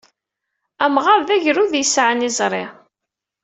Amɣar d agrud ay yesɛan izri.